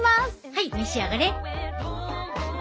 はい召し上がれ。